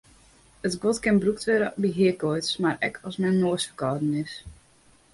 It guod kin brûkt wurde by heakoarts mar ek as men noasferkâlden is.